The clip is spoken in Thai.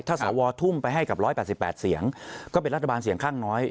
ถ้าสวทุ่มไปให้กับ๑๘๘เสียงก็เป็นรัฐบาลเสียงข้างน้อย